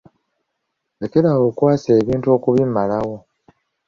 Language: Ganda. Lekera awo okwasa ebintu okubimalawo.